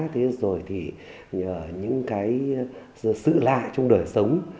thế rồi thì những cái sự lại trong đời sống